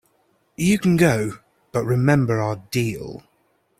You can go, but remember our deal.